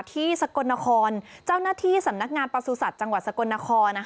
สกลนครเจ้าหน้าที่สำนักงานประสุทธิ์จังหวัดสกลนคร